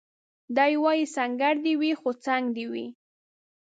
دی وايي سنګر دي وي خو څنګ دي وي